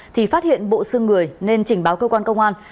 thì phát hiện bộ xương người nên trình báo cơ quan công an